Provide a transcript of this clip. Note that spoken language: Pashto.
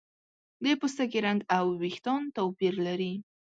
د پوستکي رنګ او ویښتان توپیر لري.